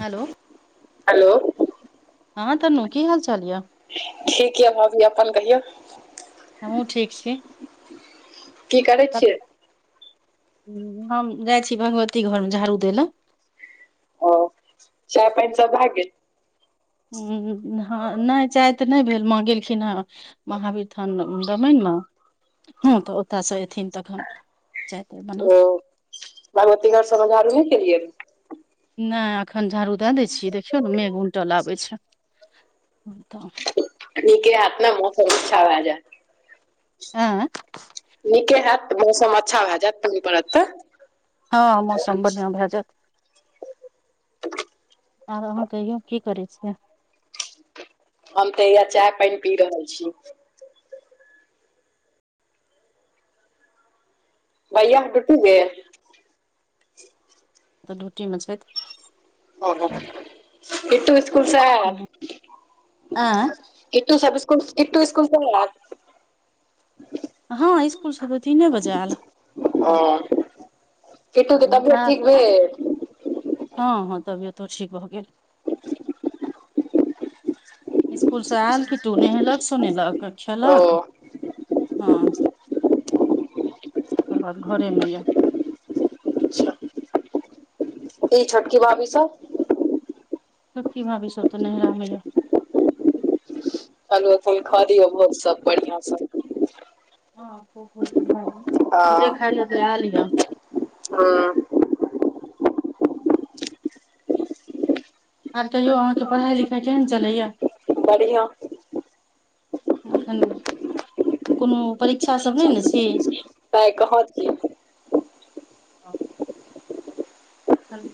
Hello hello हँ तनू की हाल चाल यऽ ठीक यऽ भाभी अपन कहियौ हमहूं ठीक छी की करै छियै हम जाइ छी भगवती घरमे झाड़ू दै लए ओ चाय पाइन सब भऽ गेल हु हँ नहि चाय तऽ नहि भेल म गेलखिन हे महावीर थन रमाइणमे हूँ तऽ ओतऽसँ अएथिन तखन जाइते ओ बनत भगवती घर सबमझारू नही केलियै नहि एखन झाड़ू दए दै छियै देखियौ ने मेघ उनटल आबै छै तऽ नीके हैत ने मौसम अच्छा भऽ जेत आँय नीके हैत तऽ मौसम अच्छा भए जायत पानि पड़त तऽ हँ मौसम बढ़िआं भए जायत आब अहाँ कहियौ की करै छियै हम तऽ हयै चाय पानि पी रहल छी भैया डयूटी गेल तऽ ड्यूटीमे छै ओ बिटु इस्कूलसे ऐल। आँय बिट्टूसभ स्कुल हँ इसकुल से तीने बजे आयल ओ बेल हँ हँ तबियतो ठीक भऽ गेल इसकुलसँ आयल कि तू नहेलक सुनेलक ओ खेलक हँ ओकर बाद घरे मे यै अच्छा। ई छोटकी भाभी सब छैक् की भाविस त नेहरामेैयै फल फूल खा दियौ बहुत सब बढ़िआं से हँ हँ जे खाइ लेल एत ओहै लवलंलिह हँ। [inaudible] आर कहियो अहाँ केँ पढ़ाइ लिखाइ केँहन चलैएा। बढ़िआ एखन कोनो परीक्षा सब नहि ने छै त कह कि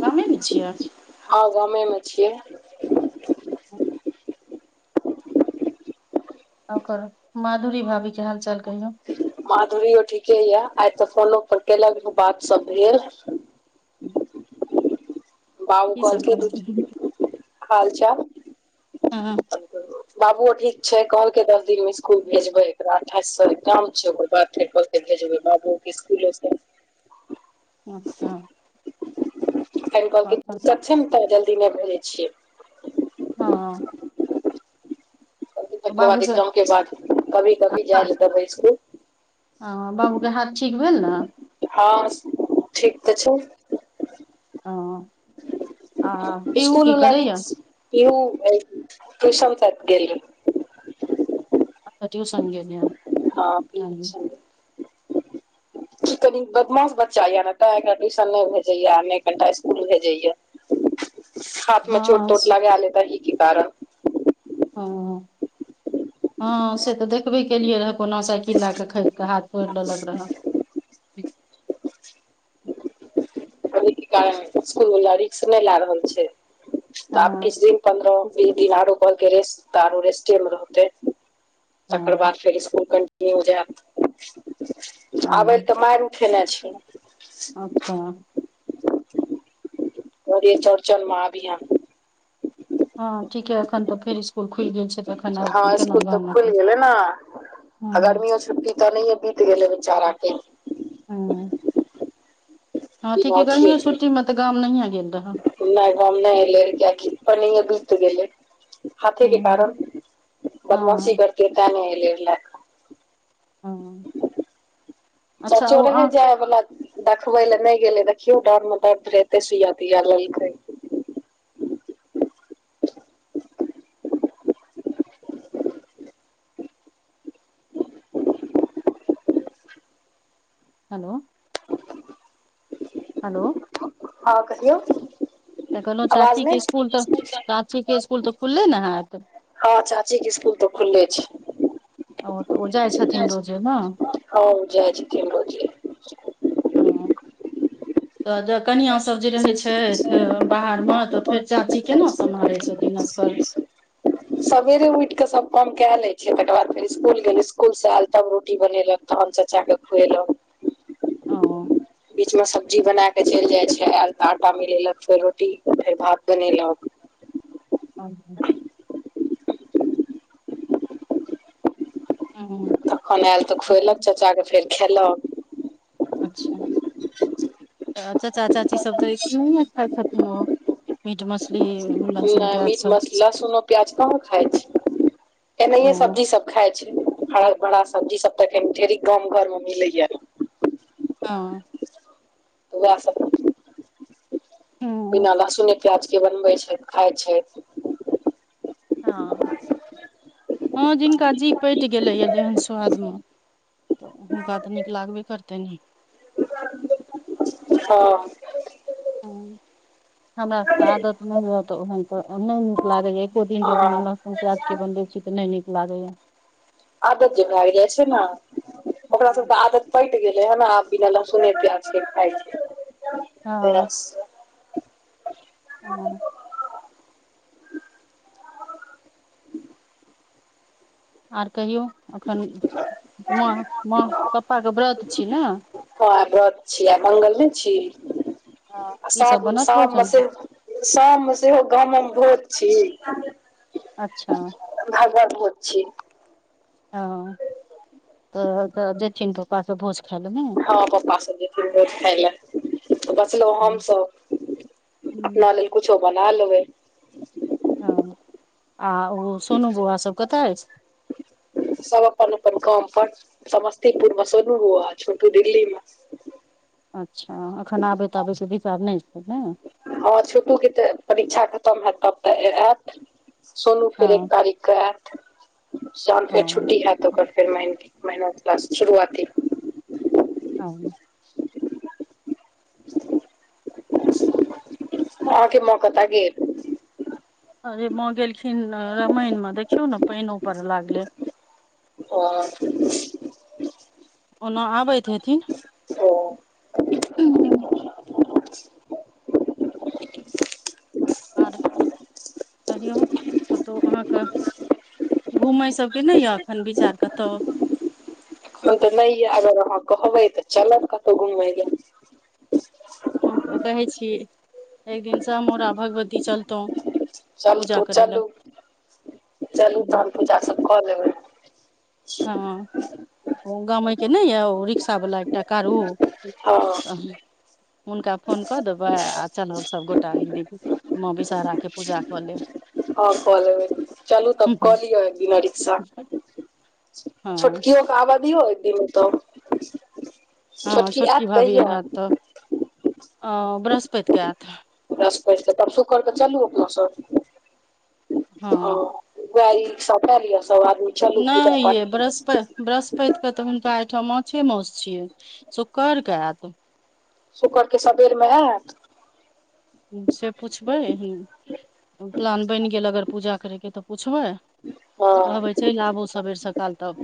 कामे ने छियै हँ गामे मे छियै [inaudible] ओकर माधुरी भाभी के हाल चाल कहियौ माधुरो ठीके यऽ आइ तऽ फोनो पर केलक बात सब भेल [inaudible] बाबू की सब कहलके दू करथिन तीन हालचाल हँ [inaudible] बाबु ठीक छै कहलकै दस दिन मे स्कूल भेजबै एकरा अठाइस सए काम छै ओकर बाद फे। [unintelligible] अच्छ [unintelligible] जल्दी नहि भेजै छियै। हँ। तकर बाद एग्जाम के बाद कभी कभी जाइ ले देबै इसकुल। ह बाबू के हाथ ठीक भेल न हँ ठीक तऽ छै। हँ आ पीहू इसकुल की बला करैया रिक्श ट्यू आय ट्यूशन तक गेलै अ तऽ ट्यूशन गेल य हँ ब्यूटी संगे। की कनी बदमाश बच्चा या ने ते ट्यूशन नहि भेजया नहि कनी टा इसकुल भेजया। [inaudible] हाथ म चोट हँ तोट स- लगेलेत ही की कारण। हँ [inaudible] हँ से तऽ देखबे केलियै कोनो साइकिल लए क खैस केँ हाथ फोर लेलक रहा रवि की कहै इसकुल वला रिक्स नहि लए रहल छै। आब हँ किछ दिन पन्द्रह बीस दिन आरो। ओ केँ रेस्टे औरो रेस्टे म रहते तेकर हँ बाद फेर इसकुल [unintelligible] आबै ल हँ तऽ मारि उठेने छै। अच्छ कहलिए चौड़चन मऽ अभियह हँ ठीकेँ अखन फेर इसकुल खुल गेल छै तऽ एखन आब हँ केना इसकुल तऽ गाम एतै खुलि गेलै ना हँ गरमियो छुट्टी तऽ ओनाहियों बीत गेले बेचारा केँ ह [inaudible] हँ बिना ठीके अथिये गर्मी के छुटी म गाम नहि गेल रह नहि हम नहि लेबै कियाकी अनाहिय बीत गेलै। हाथे के कारण हँ [inaudible] बदमाशी हँ करते तै नहि ऐलै लऽ कऽ हँ अच्छा चच्चो ओ रहै अहाँ जाय बला देखबै ले नहि गेले देखियो डाँर में दर्द रहे एतै सुइया दिया लेलकै हेलो हेलो हँ कहियौ तऽ कहलहुँ आवाज चाचीके नहि स्कुल तऽ चाचीके स्कुल तऽ खुलले न हैत हँ चाचीेके स्कुल तऽ खुलले छै ओ तऽ ओ जाइ जाय छथिन रोजे ने छथिन हँ जाय छथिन रोजे ह तऽ ज कनिआँ सब जे रहै छथि बाहरमे तऽ फेर चाची केना समारहै छथिन असगर सवेरे उठ कऽ सब काम कए ले छियै तकर बाद फेर स्कूल गेल स्कूल से आयल तब रोटी बनेलक तहन चच्चाके खुएलक ओ बीच मे सब्जी बना क चलि जाय छै आयल तऽ आटा मिलेलक फेर रोटी फेर भात बनेलक ह ह्म एखन आयल तऽ खुएलक चाचा के फेर खेलक अच्छा चाचा चाची सब तऽ स्कूल मे खाइत हेथिन ओ मीट मछली लहसुन नहि प्याज मीट सब मछ लहसुनो प्याज कहाँ खाइ छै ओ एनाहिये सब्जी सब खाय छै हरा भरा सब्जी सब तऽ अखन ढेरी गाम घर में मिलैया हँ बौआ सब हँ बिना लहसुने प्याज के बनबै छथि खाय छथि हँ हँ जिनका जी पटि गेलैया जेहन स्वादम तऽ हुनका तऽ नीक लागबे करतैन हँ हँ हमरा सके आदत नहि रहत तऽ ओहन त नहि नीक लागैया एको दिन जो बिना हँ लहसुन प्याज के बनबै छी तऽ नहि नीक लागैया आदत जे भै जाइ छै नऽ ओकरा सबके आदत पटि गेलै ह न आब बिना लहसुने प्याज के खाइ छै हँ हँ आर कहियौ एखन माँ माँ पप्पाके व्रत छै नऽ हँ आइ व्रत छै आइ मंगल नै छै आ श की सब बनत शाम म भोजन से शाममे सेहो गाम मे भोज छी अच्छा भागवत भोज छी हँ तऽ तऽ जेथिन तऽ ओ पास भोज खाइ ल नै हँ पप्पा सब जेथिन भोज खाय ले बचलौ हम सब हूँ अपना लेल कुछो बना लेबै हँ आ ओ सोनू बौआ सब कतय अछि सब अपन अपन काम पर समस्तीपुर मे सोनू बौआ छोटू दिल्ली मे अच्छा एखन आबै ताबै के विचार नहि छै ने हँ छोटू के तऽ परीक्षा खतम हैयत तब तऽ आयत सोनू फेर एक हँ तारीख शाम ओ फेर छुट्टी होयत ओकर फेर मेनत क्लास शुरुआती ह ओ [inaudible] अहाँके माँ कतऽ गेल अरे माँ गेलखिन रामायण मे देखियौ ने पाइनो परऽ लागले ओ [inaudible] ओना आबैत हेथिन ओ [inaudible] आर कहियौ कतहु अहाँके घूमय सबके नहि यऽ अखन विचार कतहु हम तऽ नहि य अगर अहाँ कहबै तऽ चलब कतहु घुमय ले हँ तऽ कहै छी एक दिनसँ हमोरा भगवती चलतौ चलतू चलू चलू तहन पूजा सब कऽ लेबै हँ ओ गामे के नहि यऽ रिक्शा वाला एकटा कारू हँ हुनका फोन कऽ देबै आ चलब सबगोटा [unintelligible] माँ विषहरा के हँ कऽ लेबै चलू तब कऽ लिअ एक दिना रिक्शा हँ छोटकिओ के आबादियौ एकदिन तऽ हँ छोटकी भाभी होयत तऽ अ बृहस्पति के आयत बृहस्पति के तब सुक्कर के चलू अपना सब हँ गाड़ी रिक्शा कए लियअ सब आदमी चलू पूजा नहि पाठ ये बृहस्पति बृहस्पति के तऽ हुनका अईठाम माछे मास छियै सुक्कर के आयत शुक्र के सबेर मे आयत से पुछबै ह प्लान बनि गेल अगर पूजा करयके तऽ पुछबै हँ कहबै चलि आबू सबेर सकाल तब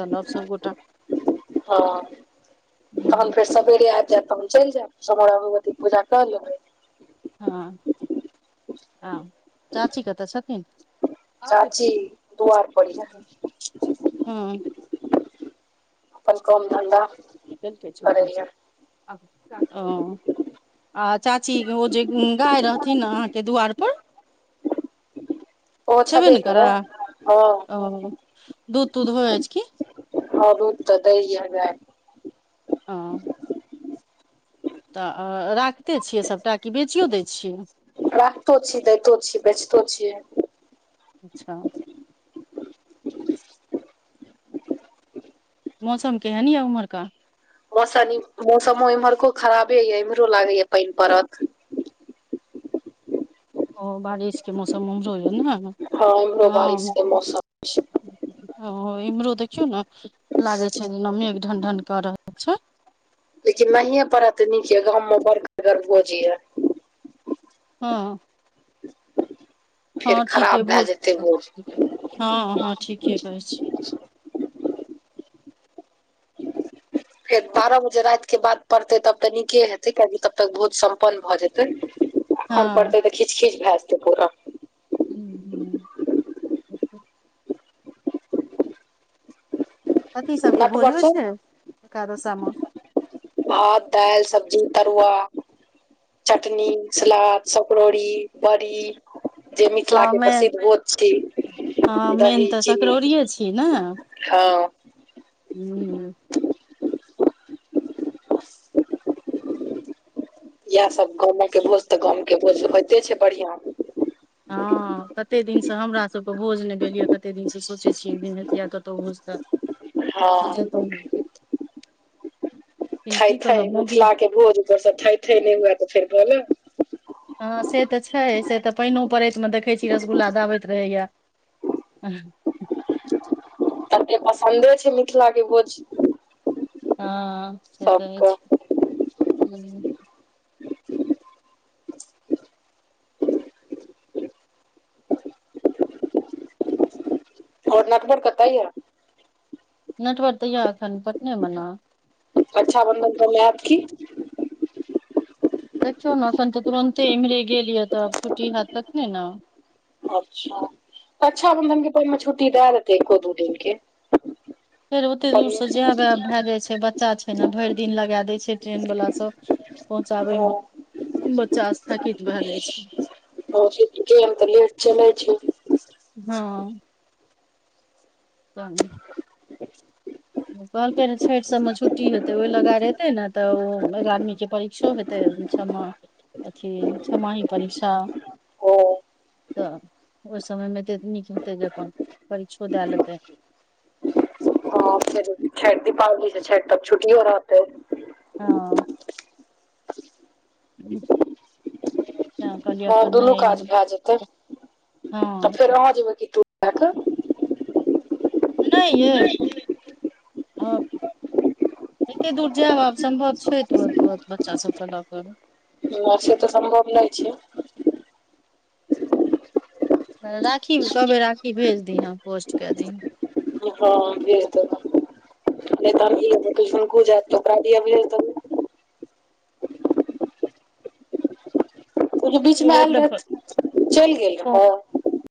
चलब सभगोटा [unintelligible] तहन हँ फेर सबेरे आइब जायत तहन चइल जायब [unintelligible] भगवती के पूजा कऽ लेब हँ हँ चाची कतऽ छथिन चाची दुआर पड़ यऽ हूँ अपन काम धंधा चलते छोइड़ दय छै करैये ओ आ चाची ओ जे गाय रहथिन ने अहाँके दु्वार पर ओहो छबे छेबे ने करा करै हँ ओ दूध तूध हो अछि कि हँ दूध तऽ दय या गाय ओ तऽ अ राखिते छियै सभटा कि बेचियो दै छियै राखतो छी देैतो छी बेचतो छीये अच्छा मौसम केहन यऽ उम्हरका मौसम मौसमो इम्हरको खराबे य एम्हरो लागे या पानि पड़त ओ बारिशके मौसम ओम्हरो या नऽ हँ इम्हरो बारिश के मौसम छै ओ इम्हरो देखियौ ना लागे छै जेना मेघ ढनढन कऽ रहल छै लेकिन नहिये पड़य तऽ नीक य गाँव मे बड़ करगर भोज या हँ फेर हँ ठीके खराब भए भोज जेतै भोज हँ हँ ठीके कहै छी फेर बारह बजे राति के बाद पड़तै तब तऽ नीके हेतै कियकि तब तक भोज सम्पन्न भए जेतै अखन हँ पड़तै तऽ खीच खीच भए जेतै पूरा [unintelligible] कथी सब के भोज नटवर सब छै एकादशा मे भात दालि सब्जी तरुआ चटनी सलाद सकरोड़ी बरी जे हँ मिथिलाके मेन प्रसिद्ध बोध छी हँ मेन दही तऽ चीनी सकरड़ौरिए छी ने हँ ह बस इएह सब गाँमके भोज तऽ गाम के भोज होइते छै बढ़ियां हँ कतेक दिनसँ हमरासभकेँ भोज नहि भेल यए कतेक दिनसँ सोचै छियै दिन हतिया कतहु भोज तऽ हँ [unintelligible] लेकिन थाय की थाय कहब मौगी मिथला के भोज ऊपरसँ थई थई नहि हुए तऽ फेर बोल हँ से तऽ छै से तऽ पानिओ परड़ैतमे देखैत छी रसगुल्ला दाबैत रहैए ह सबके पसन्दे छै मिथिला के भोज हँ से तऽ होइ सबके छै आओर नटबड़ कतऽ यै नटवर तऽ यै एखन पटने मे न रक्षाबंधन पर ऐत की देखियौ ने एखन तऽ तुरन्ते इम्हरे गेलिय तऽ आब छुट्टी हैत तखने ने अच्छा रक्षाबंधन के टाइम मे छुट्टी दए देतै एको दू दिन के फेर ओते दूरसँ जए उए भए जाइ छै बच्चा छै ने भरि दिन लगा दै छै ट्रेन वला सभ पहुँचाबै मे बच्चा स्थगित भए जाइ छै ह ठिके ट्रेन तऽ लेट चलय छै हँ तहन ओ कहलकै रे छठि सबमे छुट्टी हेतै ओहि लगाएर एते ने तऽ ओ एगारहवीं के परीक्षो हेत हेतै रहय छमा अथि छमाहि परीक्षा ओ तऽ ओहि समयमे एतेक नीक हेतै जे अपन परीक्षो दए लेतै हँ फेर दीपावली से छैठ तक छुटियो रहतै हँ [inaudible] तैं कहलियै हँ एखन दुनू नहि काज भए जेतै तऽ हँ फेर अहाँ जेबै की त जा के नहि ये अब एते दूर जायब आब सम्भव छै तुरत तुरत बच्चा सब के लऽ कऽ नै से तऽ सम्भव नहि छै राखी कहबै राखी भेज दीहे हम पोस्ट कए दीहे हँ भीड़ तऽ रहबे नहि तऽ हम ई त्रिशंकु जैत ओकरा दुआरे भेज देब ओ जे बीच मे आयल रहैथ चलि गेल रहै